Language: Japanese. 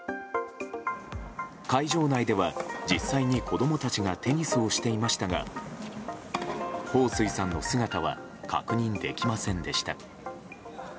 会場内では、実際に子供たちがテニスをしていましたがホウ・スイさんの姿は確認できませんでした。